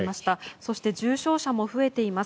そして重症者も増えています。